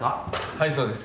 はいそうです。